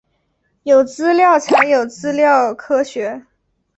有资料才有资料科学